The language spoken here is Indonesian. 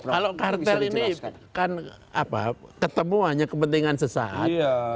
kalau kartel ini kan ketemu hanya kepentingan sesaat